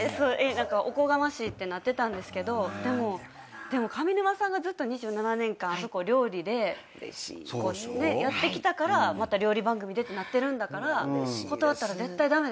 おこがましいってなってたんですけどでも上沼さんがずっと２７年間あそこを料理でやってきたからまた料理番組でってなってるから断ったら絶対駄目だよ